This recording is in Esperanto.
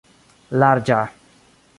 larĝa